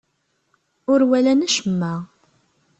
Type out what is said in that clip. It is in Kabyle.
Ur walan acemma.